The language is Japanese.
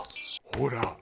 ほら！